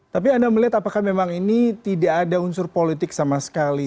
tapi anda melihat apakah memang ini tidak ada unsur politik sama sekali